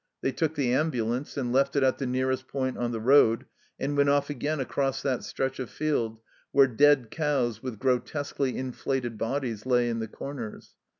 They took the ambulance, and left it at the nearest point on the road, and went off again across that stretch of field where dead cows with grotesquely inflated bodies lay in the corners.